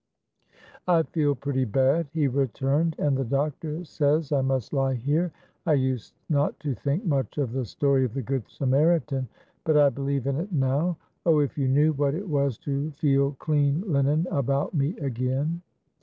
"I feel pretty bad," he returned, "and the doctor says I must lie here. I used not to think much of the story of the Good Samaritan, but I believe in it now. Oh, if you knew what it was to feel clean linen about me again."